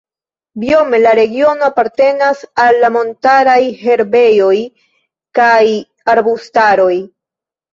Biome la regiono apartenas al la montaraj herbejoj kaj arbustaroj.